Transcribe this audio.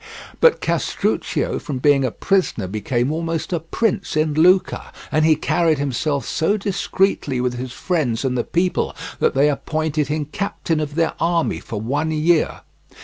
But Castruccio from being a prisoner became almost a prince in Lucca, and he carried himself so discreetly with his friends and the people that they appointed him captain of their army for one year.